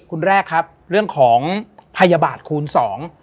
คุณแรกครับเรื่องของพยาบาทคูณสอง